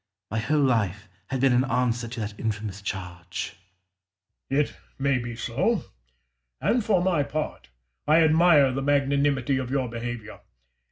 My whole life had been an answer to that infamous charge. Caesar. It may be so; and, for my part, I admire the magnanimity of your behaviour.